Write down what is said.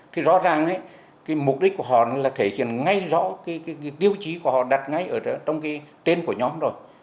thì rõ ràng cái mục đích của họ là thể hiện ngay rõ cái tiêu chí của họ đặt ngay ở trong cái tên của nhóm rồi